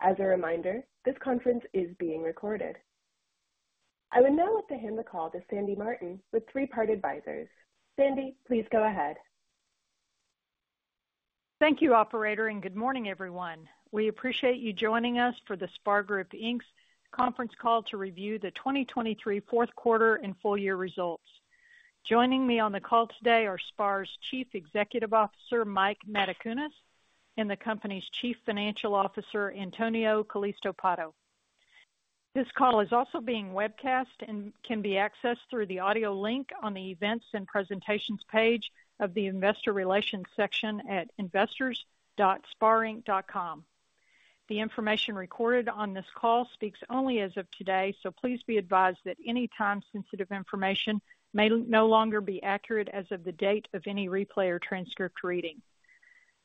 As a reminder, this conference is being recorded. I will now like to hand the call to Sandy Martin with Three Part Advisors. Sandy, please go ahead. Thank you, Operator, and good morning, everyone. We appreciate you joining us for the SPAR Group, Inc.'s conference call to review the 2023 fourth quarter and full-year results. Joining me on the call today are SPAR's Chief Executive Officer Mike Matacunas and the company's Chief Financial Officer Antonio Calisto Pato. This call is also being webcast and can be accessed through the audio link on the Events and Presentations page of the Investor Relations section at investors.sparinc.com. The information recorded on this call speaks only as of today, so please be advised that any time-sensitive information may no longer be accurate as of the date of any replay or transcript reading.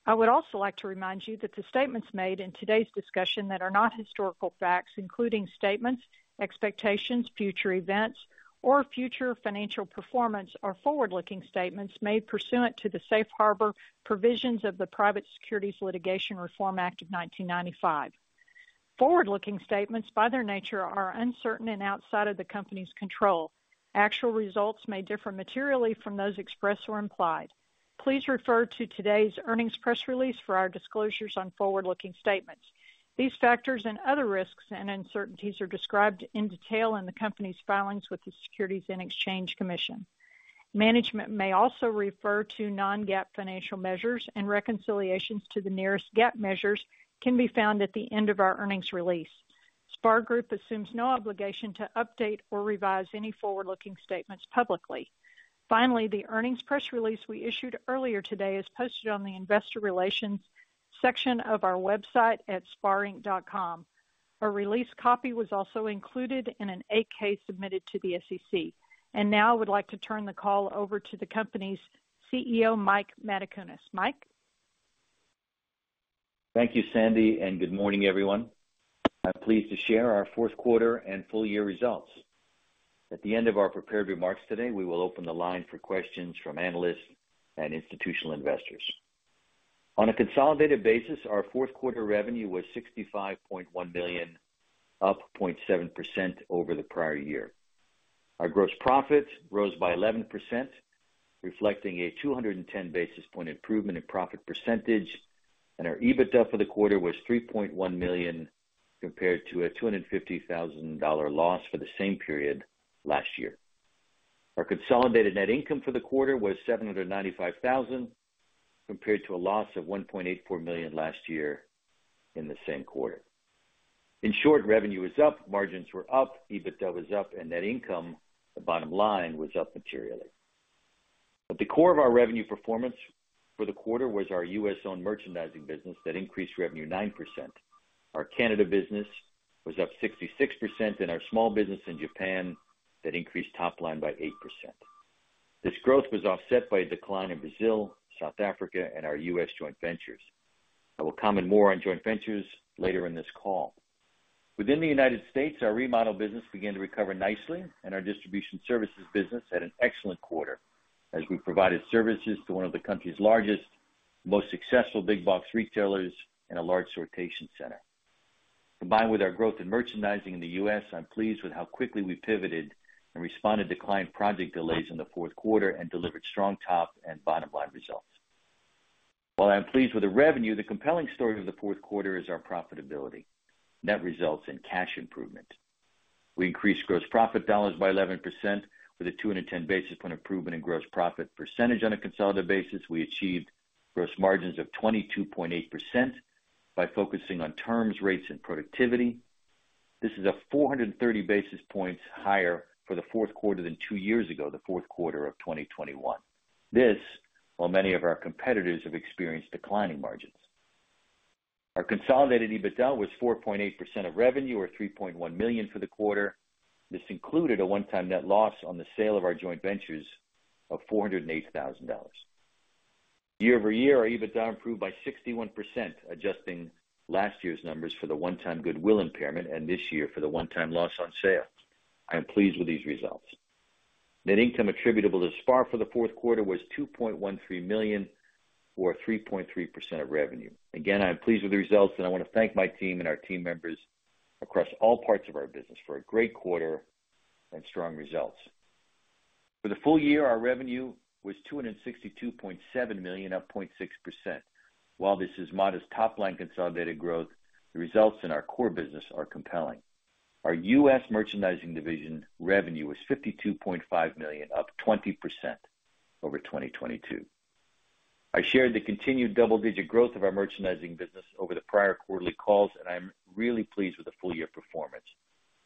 I would also like to remind you that the statements made in today's discussion that are not historical facts, including statements, expectations, future events, or future financial performance, are forward-looking statements made pursuant to the Safe Harbor provisions of the Private Securities Litigation Reform Act of 1995. Forward-looking statements, by their nature, are uncertain and outside of the company's control. Actual results may differ materially from those expressed or implied. Please refer to today's earnings press release for our disclosures on forward-looking statements. These factors and other risks and uncertainties are described in detail in the company's filings with the Securities and Exchange Commission. Management may also refer to non-GAAP financial measures, and reconciliations to the nearest GAAP measures can be found at the end of our earnings release. SPAR Group assumes no obligation to update or revise any forward-looking statements publicly. Finally, the earnings press release we issued earlier today is posted on the Investor Relations section of our website at sparinc.com. A release copy was also included in an 8-K submitted to the SEC. Now I would like to turn the call over to the company's CEO, Mike Matacunas. Mike? Thank you, Sandy, and good morning, everyone. I'm pleased to share our fourth quarter and full-year results. At the end of our prepared remarks today, we will open the line for questions from analysts and institutional investors. On a consolidated basis, our fourth quarter revenue was $65.1 million, up 0.7% over the prior year. Our gross profit rose by 11%, reflecting a 210 basis point improvement in profit percentage, and our EBITDA for the quarter was $3.1 million compared to a $250,000 loss for the same period last year. Our consolidated net income for the quarter was $795,000 compared to a loss of $1.84 million last year in the same quarter. In short, revenue is up, margins were up, EBITDA was up, and net income, the bottom line, was up materially. At the core of our revenue performance for the quarter was our U.S.-owned merchandising business that increased revenue 9%. Our Canada business was up 66%, and our small business in Japan that increased top line by 8%. This growth was offset by a decline in Brazil, South Africa, and our U.S. joint ventures. I will comment more on joint ventures later in this call. Within the United States, our remodel business began to recover nicely, and our distribution services business had an excellent quarter as we provided services to one of the country's largest, most successful big-box retailers and a large sortation center. Combined with our growth in merchandising in the U.S., I'm pleased with how quickly we pivoted and responded to client project delays in the fourth quarter and delivered strong top and bottom line results. While I am pleased with the revenue, the compelling story of the fourth quarter is our profitability, net results, and cash improvement. We increased gross profit dollars by 11% with a 210 basis point improvement in gross profit percentage. On a consolidated basis, we achieved gross margins of 22.8% by focusing on terms, rates, and productivity. This is a 430 basis points higher for the fourth quarter than two years ago, the fourth quarter of 2021. This, while many of our competitors have experienced declining margins. Our consolidated EBITDA was 4.8% of revenue, or $3.1 million for the quarter. This included a one-time net loss on the sale of our joint ventures of $408,000. Year-over-year, our EBITDA improved by 61%, adjusting last year's numbers for the one-time goodwill impairment and this year for the one-time loss on sale. I am pleased with these results. Net income attributable to SPAR for the fourth quarter was $2.13 million, or 3.3% of revenue. Again, I am pleased with the results, and I want to thank my team and our team members across all parts of our business for a great quarter and strong results. For the full year, our revenue was $262.7 million, up 0.6%. While this is modest top line consolidated growth, the results in our core business are compelling. Our U.S. merchandising division revenue was $52.5 million, up 20% over 2022. I shared the continued double-digit growth of our merchandising business over the prior quarterly calls, and I am really pleased with the full-year performance.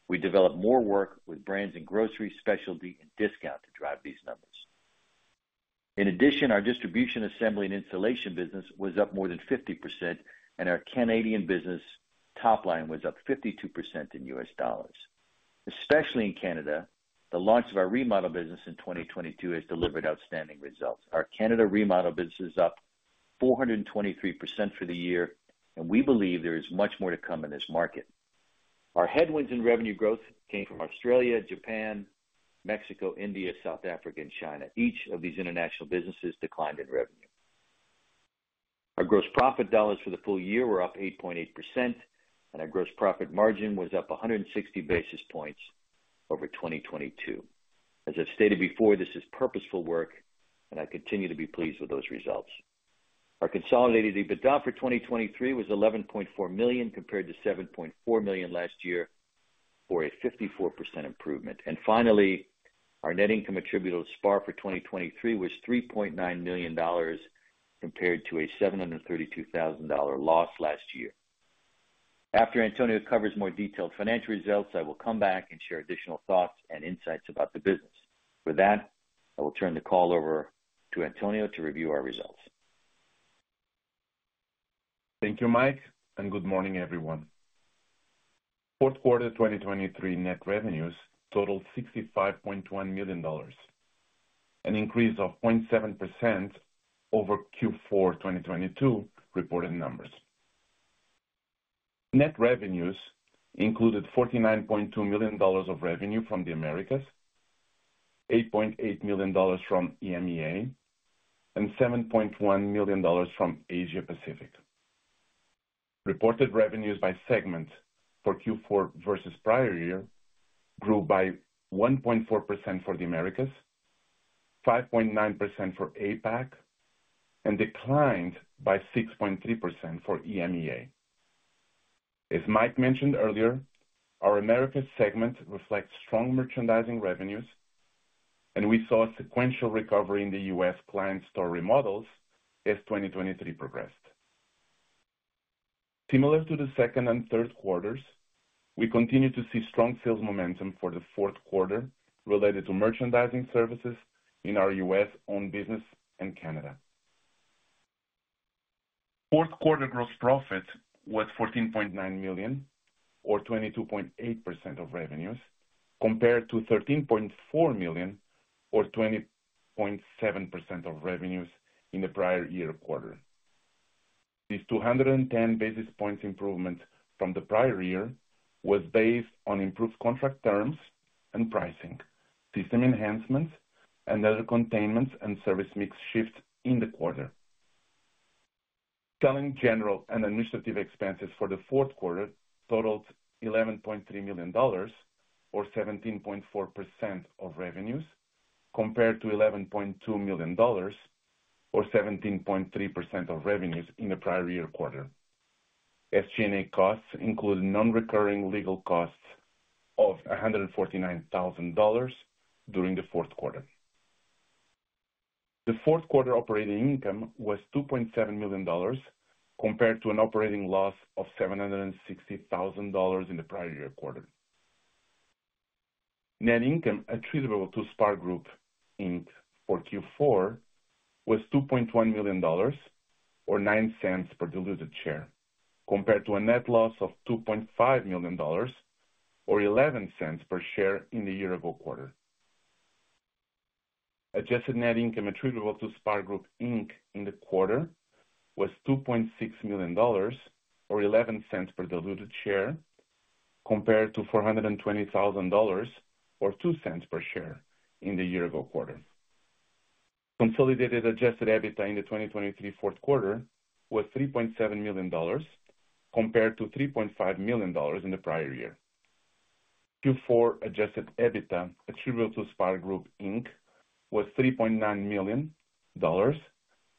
We developed more work with brands in grocery, specialty, and discount to drive these numbers. In addition, our distribution, assembly, and installation business was up more than 50%, and our Canadian business top line was up 52% in U.S. dollars. Especially in Canada, the launch of our remodel business in 2022 has delivered outstanding results. Our Canada remodel business is up 423% for the year, and we believe there is much more to come in this market. Our headwinds in revenue growth came from Australia, Japan, Mexico, India, South Africa, and China. Each of these international businesses declined in revenue. Our gross profit dollars for the full year were up 8.8%, and our gross profit margin was up 160 basis points over 2022. As I've stated before, this is purposeful work, and I continue to be pleased with those results. Our consolidated EBITDA for 2023 was $11.4 million compared to $7.4 million last year for a 54% improvement. And finally, our net income attributable to SPAR for 2023 was $3.9 million compared to a $732,000 loss last year. After Antonio covers more detailed financial results, I will come back and share additional thoughts and insights about the business. For that, I will turn the call over to Antonio to review our results. Thank you, Mike, and good morning, everyone. Fourth quarter 2023 net revenues totaled $65.1 million, an increase of 0.7% over Q4 2022 reported numbers. Net revenues included $49.2 million of revenue from the Americas, $8.8 million from EMEA, and $7.1 million from Asia-Pacific. Reported revenues by segment for Q4 versus prior year grew by 1.4% for the Americas, 5.9% for APAC, and declined by 6.3% for EMEA. As Mike mentioned earlier, our Americas segment reflects strong merchandising revenues, and we saw a sequential recovery in the U.S. client store remodels as 2023 progressed. Similar to the second and third quarters, we continue to see strong sales momentum for the fourth quarter related to merchandising services in our U.S.-owned business and Canada. Fourth quarter gross profit was $14.9 million, or 22.8% of revenues, compared to $13.4 million, or 20.7% of revenues in the prior year quarter. These 210 basis points improvement from the prior year was based on improved contract terms and pricing, system enhancements, and other containment and service mix shifts in the quarter. Selling general and administrative expenses for the fourth quarter totaled $11.3 million, or 17.4% of revenues, compared to $11.2 million, or 17.3% of revenues in the prior year quarter. SG&A costs included non-recurring legal costs of $149,000 during the fourth quarter. The fourth quarter operating income was $2.7 million, compared to an operating loss of $760,000 in the prior year quarter. Net income attributable to SPAR Group, Inc. for Q4 was $2.1 million, or nine cents per diluted share, compared to a net loss of $2.5 million, or 11 cents per share in the year-ago quarter. Adjusted net income attributable to SPAR Group, Inc. in the quarter was $2.6 million, or 11 cents per diluted share, compared to $420,000, or 2 cents per share in the year-ago quarter. Consolidated adjusted EBITDA in the 2023 fourth quarter was $3.7 million, compared to $3.5 million in the prior year. Q4 adjusted EBITDA attributable to SPAR Group, Inc. was $3.9 million,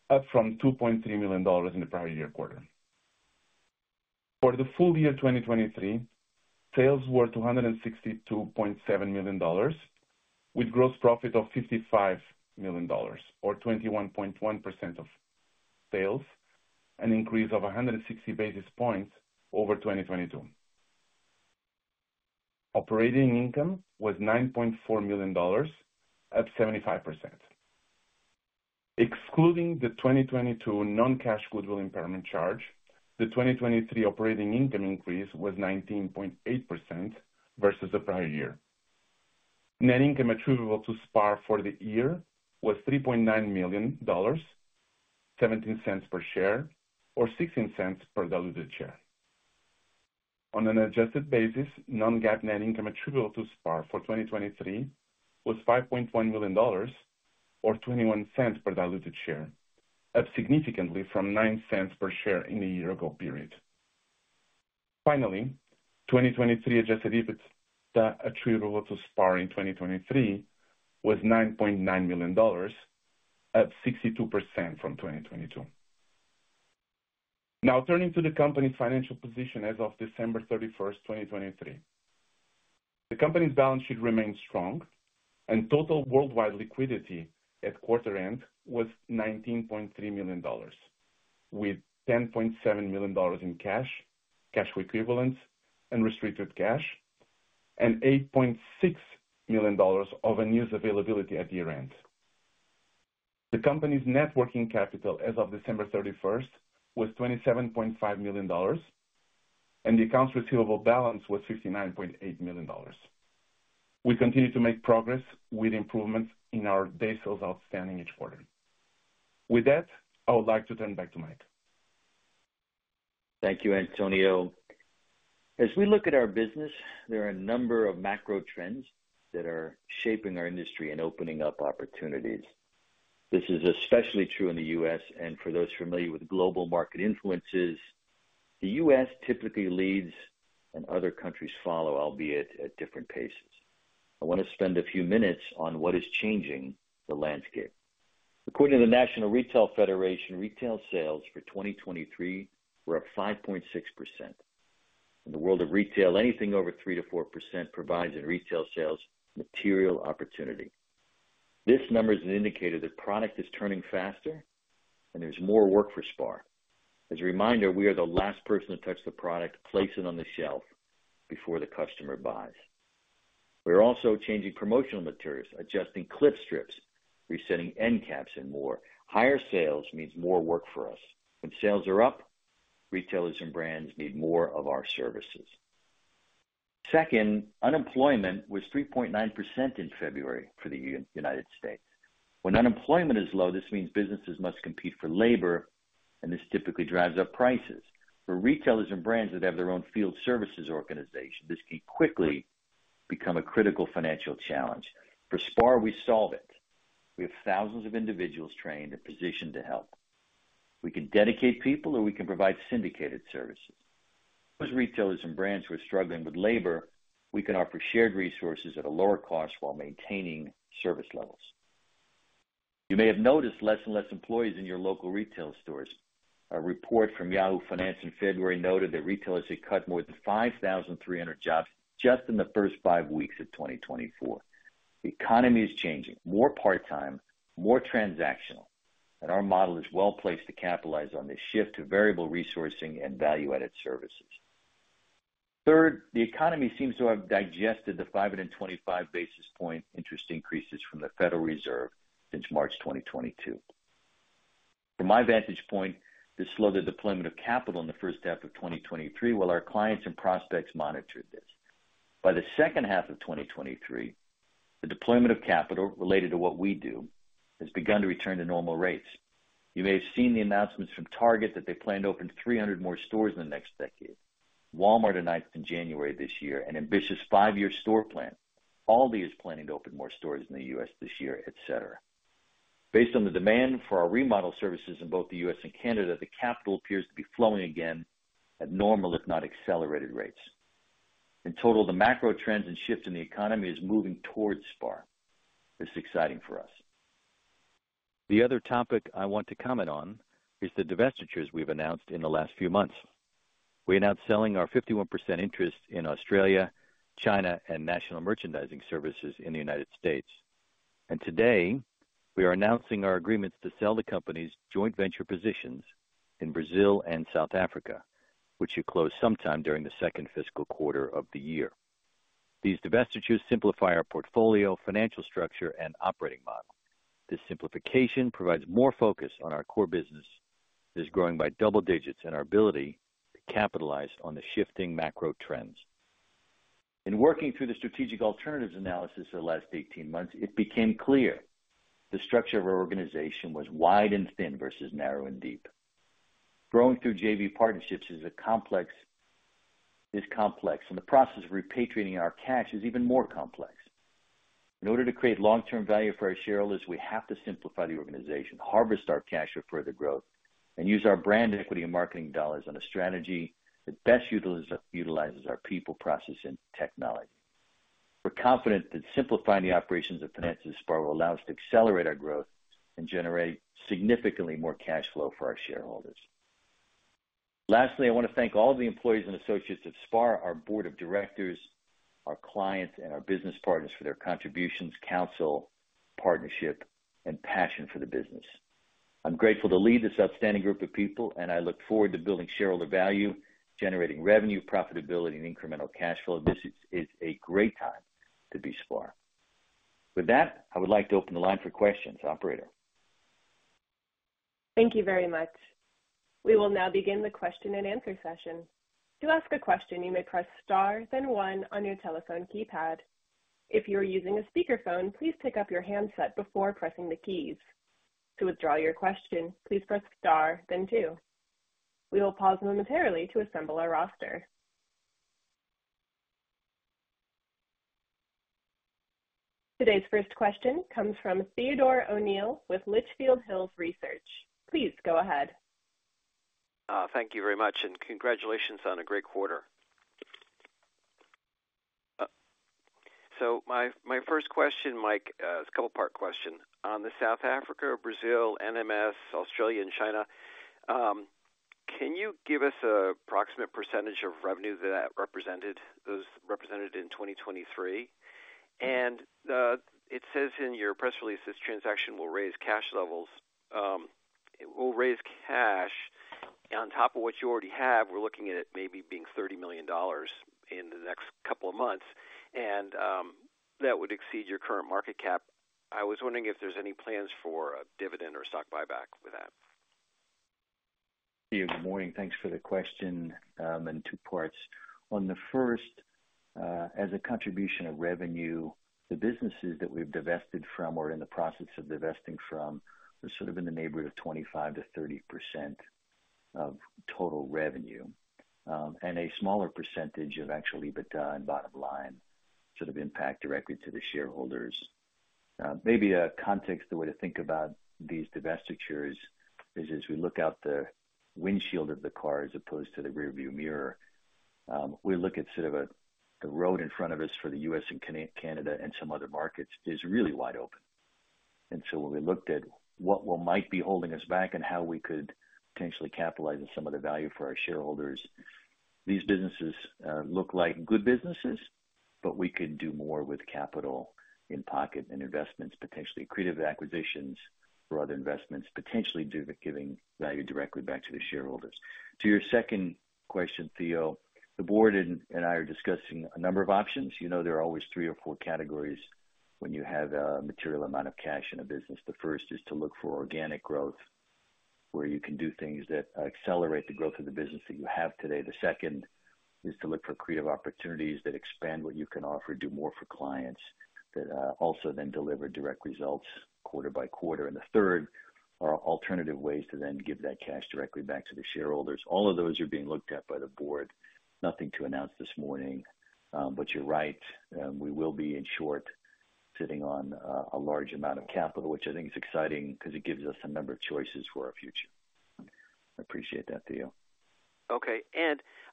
up from $2.3 million in the prior year quarter. For the full year 2023, sales were $262.7 million, with gross profit of $55 million, or 21.1% of sales, an increase of 160 basis points over 2022. Operating income was $9.4 million, up 75%. Excluding the 2022 non-cash goodwill impairment charge, the 2023 operating income increase was 19.8% versus the prior year. Net income attributable to SPAR for the year was $3.9 million, 17 cents per share, or 16 cents per diluted share. On an adjusted basis, non-GAAP net income attributable to SPAR for 2023 was $5.1 million, or $0.21 per diluted share, up significantly from $0.09 per share in the year-ago period. Finally, 2023 adjusted EBITDA attributable to SPAR in 2023 was $9.9 million, up 62% from 2022. Now, turning to the company's financial position as of December 31st, 2023. The company's balance sheet remained strong, and total worldwide liquidity at quarter end was $19.3 million, with $10.7 million in cash, cash equivalents, and restricted cash, and $8.6 million of unused availability at year end. The company's net working capital as of December 31st was $27.5 million, and the accounts receivable balance was $59.8 million. We continue to make progress with improvements in our days sales outstanding each quarter. With that, I would like to turn back to Mike. Thank you, Antonio. As we look at our business, there are a number of macro trends that are shaping our industry and opening up opportunities. This is especially true in the U.S., and for those familiar with global market influences, the U.S. typically leads and other countries follow, albeit at different paces. I want to spend a few minutes on what is changing the landscape. According to the National Retail Federation, retail sales for 2023 were up 5.6%. In the world of retail, anything over 3%-4% provides in retail sales material opportunity. This number is an indicator that product is turning faster and there's more work for SPAR. As a reminder, we are the last person to touch the product, place it on the shelf before the customer buys. We are also changing promotional materials, adjusting clip strips, resetting end caps, and more. Higher sales means more work for us. When sales are up, retailers and brands need more of our services. Second, unemployment was 3.9% in February for the United States. When unemployment is low, this means businesses must compete for labor, and this typically drives up prices. For retailers and brands that have their own field services organization, this can quickly become a critical financial challenge. For SPAR, we solve it. We have thousands of individuals trained and positioned to help. We can dedicate people, or we can provide syndicated services. Those retailers and brands who are struggling with labor, we can offer shared resources at a lower cost while maintaining service levels. You may have noticed less and less employees in your local retail stores. A report from Yahoo Finance in February noted that retailers had cut more than 5,300 jobs just in the first five weeks of 2024. The economy is changing: more part-time, more transactional, and our model is well placed to capitalize on this shift to variable resourcing and value-added services. Third, the economy seems to have digested the 525 basis point interest increases from the Federal Reserve since March 2022. From my vantage point, this slowed the deployment of capital in the first half of 2023 while our clients and prospects monitored this. By the second half of 2023, the deployment of capital related to what we do has begun to return to normal rates. You may have seen the announcements from Target that they plan to open 300 more stores in the next decade, Walmart announced in January this year an ambitious five-year store plan, ALDI is planning to open more stores in the U.S. this year, etc. Based on the demand for our remodel services in both the U.S. and Canada, the capital appears to be flowing again at normal, if not accelerated rates. In total, the macro trends and shift in the economy is moving towards SPAR. This is exciting for us. The other topic I want to comment on is the divestitures we've announced in the last few months. We announced selling our 51% interest in Australia, China, and National Merchandising Services in the United States. Today, we are announcing our agreements to sell the company's joint venture positions in Brazil and South Africa, which should close sometime during the second fiscal quarter of the year. These divestitures simplify our portfolio, financial structure, and operating model. This simplification provides more focus on our core business that is growing by double digits and our ability to capitalize on the shifting macro trends. In working through the strategic alternatives analysis of the last 18 months, it became clear the structure of our organization was wide and thin versus narrow and deep. Growing through JV partnerships is complex, and the process of repatriating our cash is even more complex. In order to create long-term value for our shareholders, we have to simplify the organization, harvest our cash for further growth, and use our brand equity and marketing dollars on a strategy that best utilizes our people, process, and technology. We're confident that simplifying the operations of finances at SPAR will allow us to accelerate our growth and generate significantly more cash flow for our shareholders. Lastly, I want to thank all of the employees and associates of SPAR, our board of directors, our clients, and our business partners for their contributions, counsel, partnership, and passion for the business. I'm grateful to lead this outstanding group of people, and I look forward to building shareholder value, generating revenue, profitability, and incremental cash flow. This is a great time to be SPAR. With that, I would like to open the line for questions. Operator. Thank you very much. We will now begin the question and answer session. To ask a question, you may press * then 1 on your telephone keypad. If you are using a speakerphone, please pick up your handset before pressing the keys. To withdraw your question, please press * then 2. We will pause momentarily to assemble our roster. Today's first question comes from Theodore O'Neill with Litchfield Hills Research. Please go ahead. Thank you very much, and congratulations on a great quarter. So my first question, Mike, is a couple-part question. On the South Africa, Brazil, NMS, Australia, and China, can you give us an approximate percentage of revenue that that represented in 2023? And it says in your press release this transaction will raise cash levels. It will raise cash on top of what you already have. We're looking at it maybe being $30 million in the next couple of months, and that would exceed your current market cap. I was wondering if there's any plans for a dividend or stock buyback with that. Thank you. Good morning. Thanks for the question in two parts. On the first, as a contribution of revenue, the businesses that we've divested from or in the process of divesting from are sort of in the neighborhood of 25%-30% of total revenue, and a smaller percentage of actual EBITDA and bottom line sort of impact directly to the shareholders. Maybe a context, a way to think about these divestitures, is as we look out the windshield of the car as opposed to the rearview mirror, we look at sort of the road in front of us for the U.S. and Canada and some other markets is really wide open. And so when we looked at what might be holding us back and how we could potentially capitalize on some of the value for our shareholders, these businesses look like good businesses, but we could do more with capital in pocket and investments, potentially creative acquisitions or other investments, potentially giving value directly back to the shareholders. To your second question, Theo, the board and I are discussing a number of options. You know there are always three or four categories when you have a material amount of cash in a business. The first is to look for organic growth where you can do things that accelerate the growth of the business that you have today. The second is to look for creative opportunities that expand what you can offer, do more for clients that also then deliver direct results quarter by quarter. The third are alternative ways to then give that cash directly back to the shareholders. All of those are being looked at by the board. Nothing to announce this morning. But you're right. We will be, in short, sitting on a large amount of capital, which I think is exciting because it gives us a number of choices for our future. I appreciate that, Theo. Okay.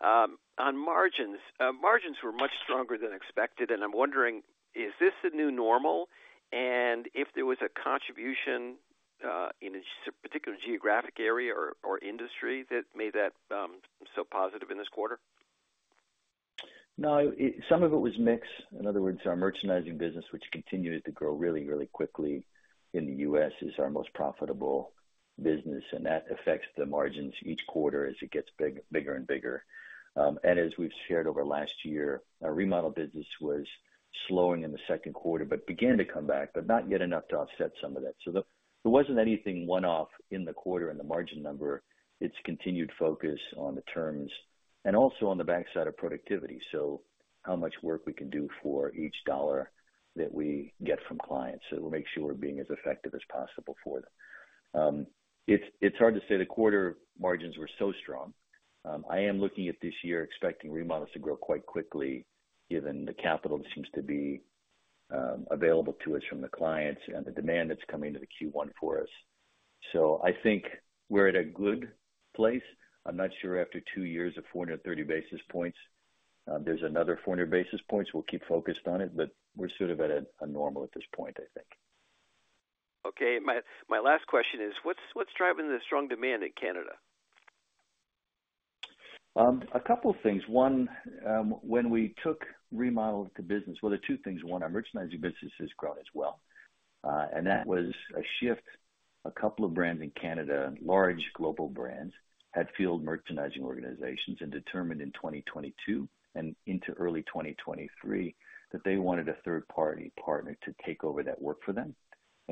On margins, margins were much stronger than expected. I'm wondering, is this the new normal? If there was a contribution in a particular geographic area or industry that made that so positive in this quarter? No. Some of it was mix. In other words, our merchandising business, which continues to grow really, really quickly in the U.S., is our most profitable business, and that affects the margins each quarter as it gets bigger and bigger. And as we've shared over last year, our remodel business was slowing in the second quarter but began to come back, but not yet enough to offset some of that. So there wasn't anything one-off in the quarter in the margin number. It's continued focus on the terms and also on the backside of productivity, so how much work we can do for each dollar that we get from clients so we'll make sure we're being as effective as possible for them. It's hard to say. The quarter margins were so strong. I am looking at this year expecting remodels to grow quite quickly given the capital that seems to be available to us from the clients and the demand that's coming into the Q1 for us. So I think we're at a good place. I'm not sure after two years of 430 basis points, there's another 400 basis points. We'll keep focused on it, but we're sort of at a normal at this point, I think. Okay. My last question is, what's driving the strong demand in Canada? A couple of things. One, when we talk about the remodel business, well, there are two things. One, our merchandising business has grown as well, and that was a shift. A couple of brands in Canada, large global brands, had field merchandising organizations and determined in 2022 and into early 2023 that they wanted a third-party partner to take over that work for them.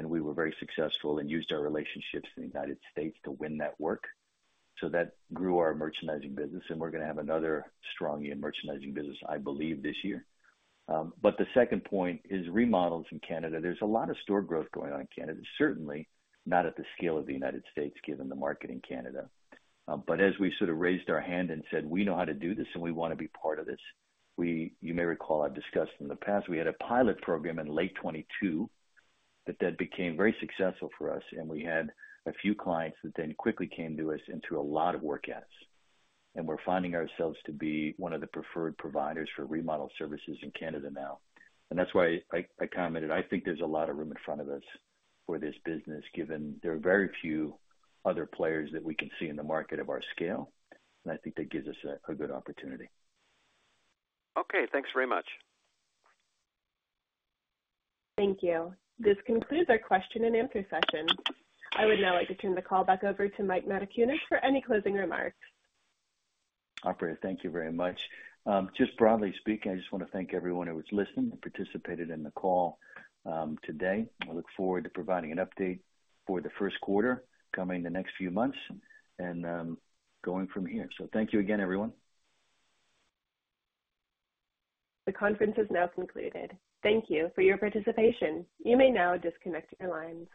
We were very successful and used our relationships in the United States to win that work. That grew our merchandising business, and we're going to have another strong year in merchandising business, I believe, this year. But the second point is remodels in Canada. There's a lot of store growth going on in Canada, certainly not at the scale of the United States given the market in Canada. But as we sort of raised our hand and said, "We know how to do this, and we want to be part of this," you may recall I've discussed in the past, we had a pilot program in late 2022 that became very successful for us, and we had a few clients that then quickly came to us and threw a lot of work at us. And we're finding ourselves to be one of the preferred providers for remodel services in Canada now. And that's why I commented, "I think there's a lot of room in front of us for this business given there are very few other players that we can see in the market of our scale." And I think that gives us a good opportunity. Okay. Thanks very much. Thank you. This concludes our question and answer session. I would now like to turn the call back over to Mike Matacunas for any closing remarks. Operator, thank you very much. Just broadly speaking, I just want to thank everyone who was listening and participated in the call today. I look forward to providing an update for the first quarter, coming the next few months, and going from here. Thank you again, everyone. The conference is now concluded. Thank you for your participation. You may now disconnect your lines.